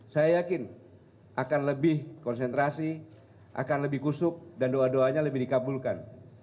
saya yakin akan lebih konsentrasi akan lebih kusuk dan doa doanya lebih dikabulkan